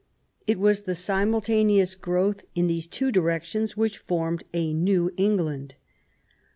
It was the simultaneous growth in these two direc tions which formed a new England.